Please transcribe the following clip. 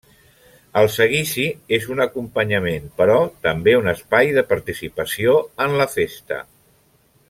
El Seguici és un acompanyament però també un espai de participació en la festa.